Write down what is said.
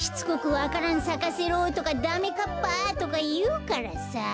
「わか蘭さかせろ」とか「ダメかっぱ」とかいうからさ。